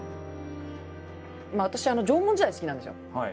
私縄文時代好きなんですよ。